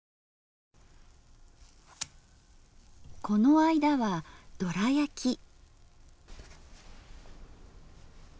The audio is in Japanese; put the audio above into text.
この間は「どらやき」。